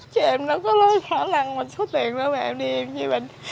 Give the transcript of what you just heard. cho em đâu có lối khả năng một số tiền nữa mà em đi em như mình